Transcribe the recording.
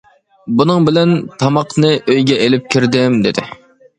بۇنىڭ بىلەن تاماقنى ئۆيگە ئېلىپ كىردىم, دېدى.